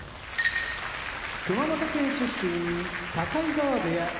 熊本県出身境川部屋